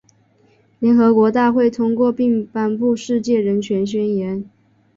联合国大会通过并颁布《世界人权宣言》。